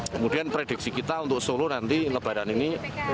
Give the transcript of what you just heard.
kemudian prediksi kita untuk solo nanti lebaran ini